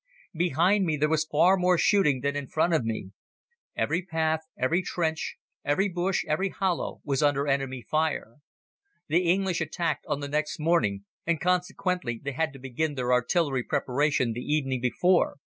Behind me there was far more shooting than in front of me. Every path, every trench, every bush, every hollow, was under enemy fire. The English attacked on the next morning, and consequently, they had to begin their artillery preparation the evening before.